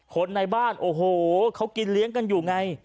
คนในบ้านโอ้โหเขากินเลี้ยงกันอยู่ไง